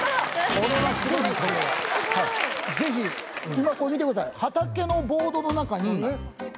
今これ見てください。